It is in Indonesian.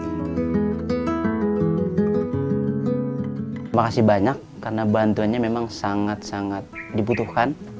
terima kasih banyak karena bantuannya memang sangat sangat dibutuhkan